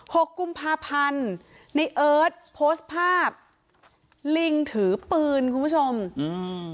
หกกุมภาพันธ์ในเอิร์ทโพสต์ภาพลิงถือปืนคุณผู้ชมอืม